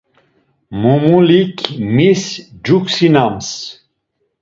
Mumulik mis cunksinams?